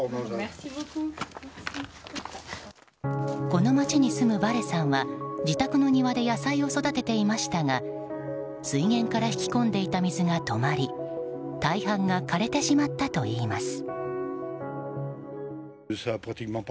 この町に住む、バレさんは自宅の庭で野菜を育てていましたが水源から引き込んでいた水が止まり大半が枯れてしまったといいます。